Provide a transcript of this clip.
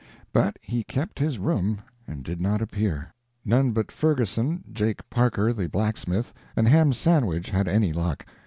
But he kept his room, and did not appear. None but Ferguson, Jake Parker the blacksmith, and Ham Sandwich had any luck.